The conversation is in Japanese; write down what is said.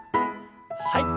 はい。